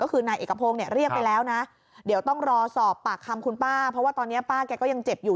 ก็คือนายเอกพงศ์เนี่ยเรียกไปแล้วนะเดี๋ยวต้องรอสอบปากคำคุณป้าเพราะว่าตอนนี้ป้าแกก็ยังเจ็บอยู่